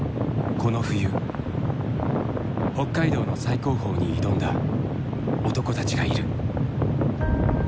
この冬北海道の最高峰に挑んだ男たちがいる。